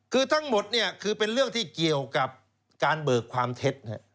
คือทั้งหมดเนี่ยคือเป็นเรื่องที่เกี่ยวกับการเบิกความเท็จ